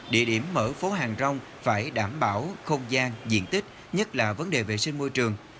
địa điểm mở phố hàng rong phải đảm bảo không gian diện tích nhất là vấn đề vệ sinh môi trường